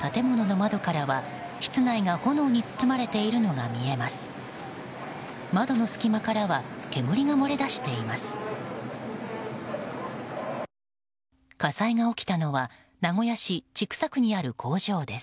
窓の隙間からは煙が漏れ出しています。